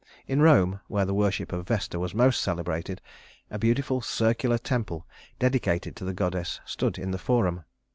In Rome, where the worship of Vesta was most celebrated, a beautiful circular temple, dedicated to the goddess, stood in the Forum.